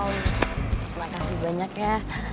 terima kasih banyak ya